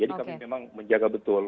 jadi kami memang menjaga betul